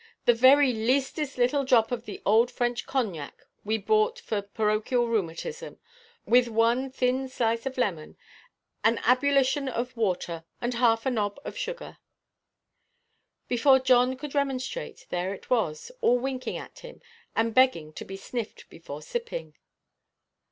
—the very leastest little drop of the old French cognac we bought for parochial rheumatism, with one thin slice of lemon, an ebullition of water, and half a knob of sugar." Before John could remonstrate, there it was, all winking at him, and begging to be sniffed before sipping.